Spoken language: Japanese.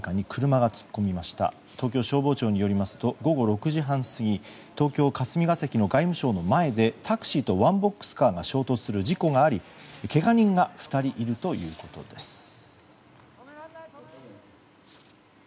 東京消防庁によりますと午後６時半過ぎ東京・霞が関の外務省の前でタクシーとワンボックスカーが衝突する事故がありけが人が２人いるということです。